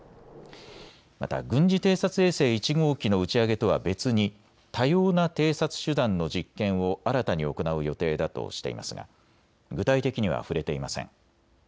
また軍事偵察衛星１号機の打ち上げとは別に多様な偵察手段の実験を新たに行う予定だとしていますが具体的には触れていません。